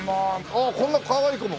ああこんなかわいい子も。